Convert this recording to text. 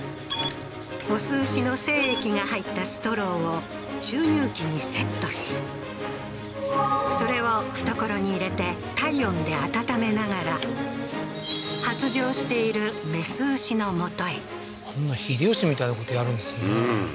雄牛の精液が入ったストローを注入器にセットしそれを懐に入れて体温で温めながら発情している雌牛のもとへあんな秀吉みたいなことやるんですね